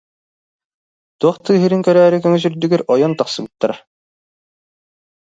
Туох тыаһыырын көрөөрү көҥүс үрдүгэр ойон тахсыбыттара